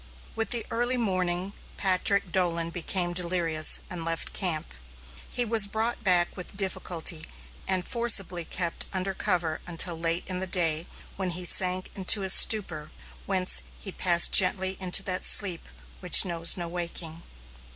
With the early morning, Patrick Dolan became delirious and left camp. He was brought back with difficulty and forcibly kept under cover until late in the day, when he sank into a stupor, whence he passed quietly into that sleep which knows no waking.